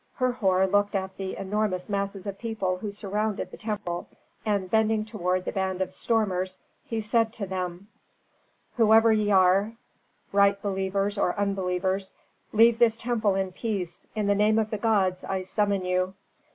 Herhor looked at the enormous masses of people who surrounded the temple, and bending toward the band of stormers, he said to them, "Whoever ye are, right believers or unbelievers, leave this temple in peace, in the name of the gods I summon you."